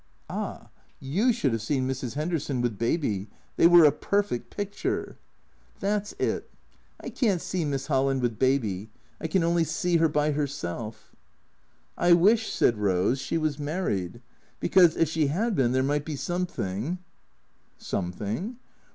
" Ah, you should have seen Mrs. 'Enderson with Baby. They was a perfect picture." " That 's it. I can't see Miss Holland with Baby. I can only see her by herself." " I wish," said Eose, " she was married. Because, if she 'ad been, there might be something " "Something?"